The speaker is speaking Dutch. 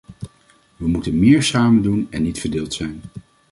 We moeten meer sámen doen en niet verdeeld zijn.